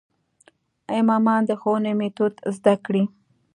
امامان د ښوونې میتود زده کړي.